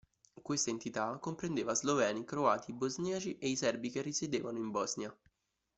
Questa entità comprendeva Sloveni, Croati, Bosniaci e i Serbi che risiedevano in Bosnia.